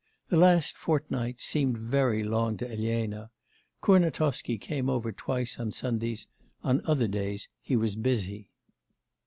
The last fortnight seemed very long to Elena. Kurnatovsky came over twice on Sundays; on other days he was busy.